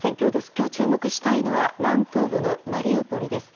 今日注目したいのは南東部のマリウポリです。